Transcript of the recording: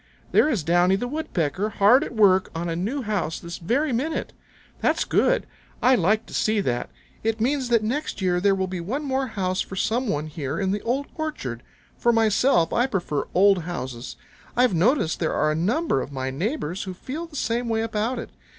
There is Downy the Woodpecker hard at work on a new house this very minute. That's good. I like to see that. It means that next year there will be one more house for some one here in the Old Orchard. For myself I prefer old houses. I've noticed there are a number of my neighbors who feel the same way about it.